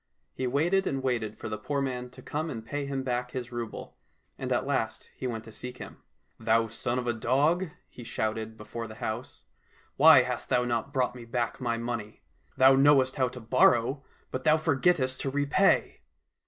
He waited and waited for the poor man to come and pay him back his rouble, and at last he went to seek him. " Thou son of a dog," he shouted, before the house, " why hast thou not brought me back my money ? Thou knowest how to borrow, but thou forgettest to repay